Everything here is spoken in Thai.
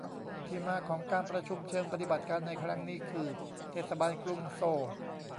ที่มาของการประชุมเชิงปฏิบัติการในครั้งนี้คือ เทศบาลกรุงโซล